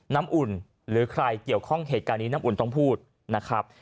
น้ำอุ่นหรือใครเกี่ยวข้องเหตุการณ์นี้น้ำอุ่นต้องพูดนะครับ